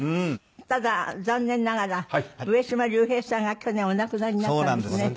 ただ残念ながら上島竜兵さんが去年お亡くなりになったんですね。